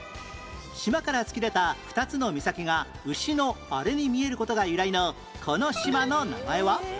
島から突き出た２つの岬が牛のあれに見える事が由来のこの島の名前は？